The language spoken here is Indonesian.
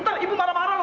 ntar ibu marah marah lu